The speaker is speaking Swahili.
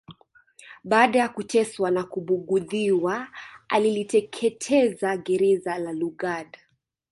Baada ya kuteswa na kubughudhiwa aliliteketeza gereza la Lugard